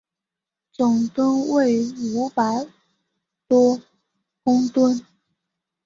总吨位五百多公顿。